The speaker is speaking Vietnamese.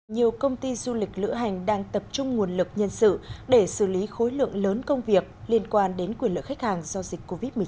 nhiều công ty du lịch lữ hành đang tập trung nguồn lực nhân sự để xử lý khối lượng lớn công việc liên quan đến quyền lựa khách hàng do dịch covid một mươi chín